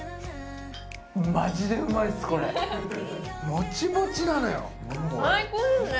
もちもちなのよ最高ですね